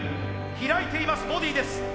開いていますボディーです！